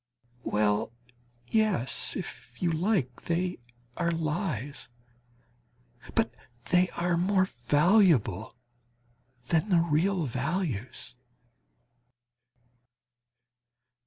Well yes, if you like, they are lies; but they are more valuable than the real values.